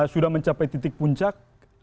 sudah mencapai titik puncak